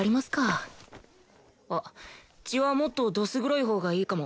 あっ血はもっとどす黒いほうがいいかも。